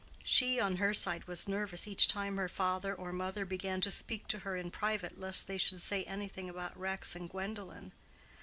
She, on her side, was nervous each time her father or mother began to speak to her in private lest they should say anything about Rex and Gwendolen.